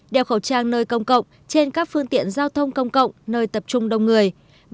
hai đeo khẩu trang nơi công cộng trên các phương tiện giao thông công cộng nơi tập trung đông người